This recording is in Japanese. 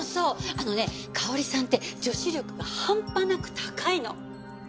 あのね香織さんって女子力が半端なく高いの。